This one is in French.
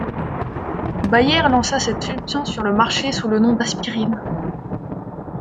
Bayer lança cette substance sur le marché sous le nom d'aspirine.